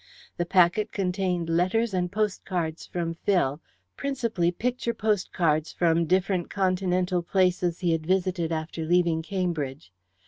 The packet contained letters and postcards from Phil, principally picture postcards from different Continental places he had visited after leaving Cambridge.